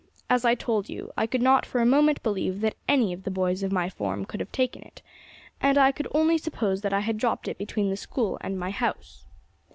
As I told you, I could not for a moment believe that any of the boys of my form could have taken it, and I could only suppose that I had dropped it between the School and my house.